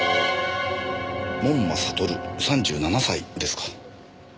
門馬悟３７歳ですか。